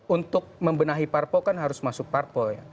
untuk membenahi parpel kan harus masuk parpel ya